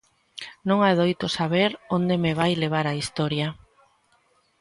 Non adoito saber onde me vai levar a historia.